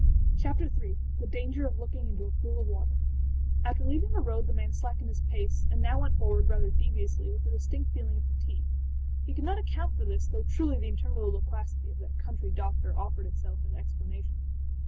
Chapter III: The Danger of Looking into a Pool of Water[edit] After leaving the road the man slackened his pace, and now went forward, rather deviously, with a distinct feeling of fatigue. He could not account for this, though truly the interminable loquacity of that country doctor offered itself in explanation.